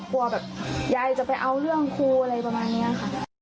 แบบยายจะไปเอาเรื่องครูอะไรประมาณนี้ค่ะ